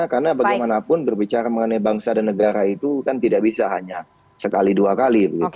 karena bagaimanapun berbicara mengenai bangsa dan negara itu kan tidak bisa hanya sekali dua kali